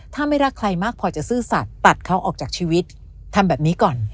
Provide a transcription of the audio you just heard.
ถ้าไม่รักใครมากพอจะซื่อสัตว์ตัดเขาออกจากชีวิตทำแบบนี้ก่อน